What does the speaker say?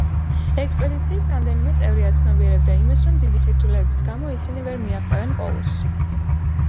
ექსპედიციის რამდენიმე წევრი აცნობიერებდა იმას, რომ დიდი სირთულეების გამო ისინი ვერ მიაღწევენ პოლუსს.